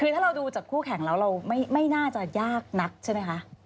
คือถ้าเราดูจากคู่แข่งแล้วเราไม่น่าจะยากนักใช่ไหมคะ